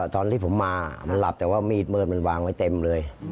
ตอนที่ผมมามันหลับแต่ว่ามีดมืดมันวางไว้เต็มเลย